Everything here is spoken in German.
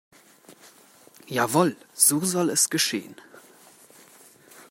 Jawohl, so soll es geschehen.